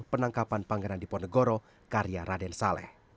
penangkapan pangeran diponegoro karya raden saleh